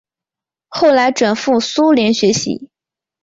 后来转赴苏联学习。